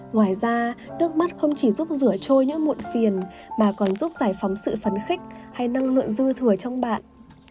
ngoài ra nước mắt không chỉ giúp rửa trôi những muộn phiền mà còn giúp giải phóng sự phấn khích hay nâng lượng dư thừa trong bạn